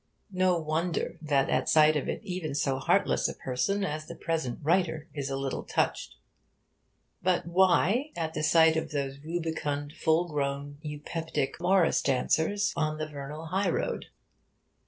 No wonder that at sight of it even so heartless a person as the present writer is a little touched. But why at sight of those rubicund, full grown, eupeptic Morris dancers on the vernal highroad?